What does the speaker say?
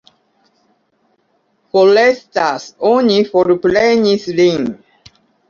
Forestas, oni forprenis lin.